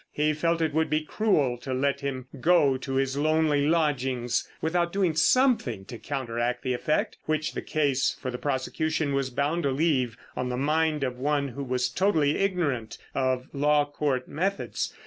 He felt it would be cruel to let him go to his lonely lodgings without doing something to counteract the effect, which the case for the prosecution was bound to leave on the mind of one who was totally ignorant of Law Court methods.